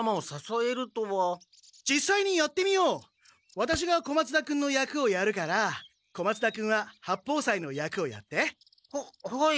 ワタシが小松田君の役をやるから小松田君は八方斎の役をやって。ははい。